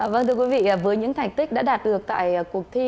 vâng thưa quý vị với những thành tích đã đạt được tại cuộc thi